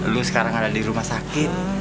lu sekarang ada di rumah sakit